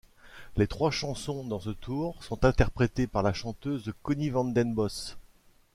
Les trois chansons dans ce tour sont interprétées par la chanteuse Conny Vandenbos.